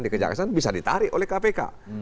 di kejaksaan bisa ditarik oleh kpk